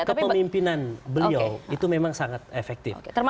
kepemimpinan beliau itu memang sangat efektif